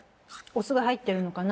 お酢が入ってるのかな？